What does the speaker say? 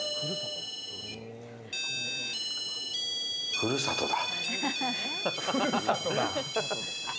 「ふるさと」だ。